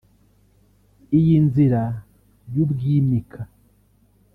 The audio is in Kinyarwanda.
iy’inzira y’ubwimika